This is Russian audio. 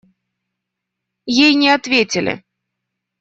Ей не ответили.